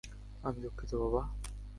আমি দুঃখিত, বাবা!